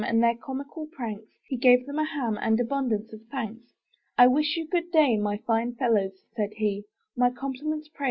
And their comical pranks, He gave them a ham And abundance of thanks. *'I wish you good day, My fine fellows, said he; ''My compliments, pray.